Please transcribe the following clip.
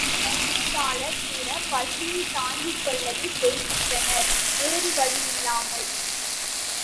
வறுமையாளர் கூடப் பசியை தாங்கிக் கொள்ளவே செய்கின்றனர், வேறு வழியில்லாமல்!